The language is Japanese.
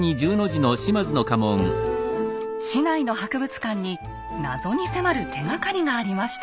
市内の博物館に謎に迫る手がかりがありました。